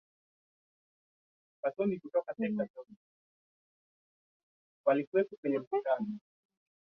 Safari yake kisiasa ilianzia mwaka elfu mbili